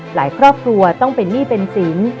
ครอบครัวต้องเป็นหนี้เป็นสิน